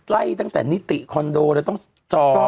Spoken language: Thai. ไล่ตั้งแต่นิติคอนโดเลยต้องจอ